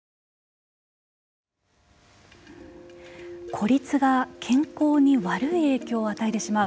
孤立が健康に悪い影響を与えてしまう。